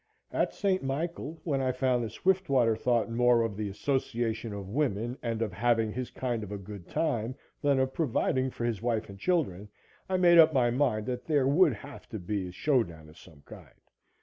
At St. Michael, when I found that Swiftwater thought more of the association of women and of having his kind of a good time than of providing for his wife and children, I made up my mind that there would have to be a showdown of some kind.